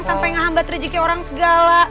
sampai ngehambat rezeki orang segala